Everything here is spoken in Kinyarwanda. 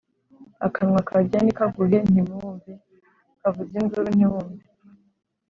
Akanwa karya ntikaguhe (ntiwumve) kavuza induru ntiwumve.